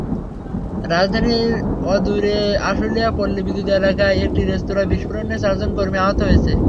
রাজধানীর অদূরে আশুলিয়ার পল্লী বিদ্যুৎ এলাকায় একটি রেস্তোরাঁয় বিস্ফোরণে চারজন কর্মী আহত হয়েছে।